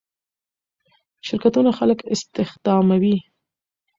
شرکتونه خلک استخداموي.